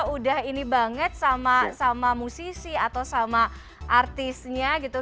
udah ini banget sama musisi atau sama artisnya gitu